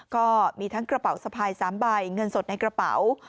ก็มีทั้งกระเป๋าสะพาย๓ใบเงินสดในกระเป๋า